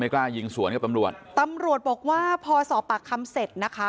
กล้ายิงสวนกับตำรวจตำรวจบอกว่าพอสอบปากคำเสร็จนะคะ